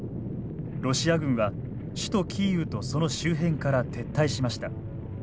ロシア軍は首都キーウとその周辺から撤退しました。